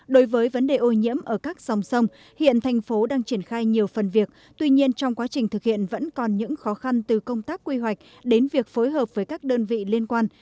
đối với vấn đề ô nhiễm ở các dòng sông hiện thành phố đang triển khai nhiều phần việc tuy nhiên trong quá trình thực hiện vẫn còn những khó khăn từ công tác quy hoạch đến việc phối hợp với các đơn vị liên quan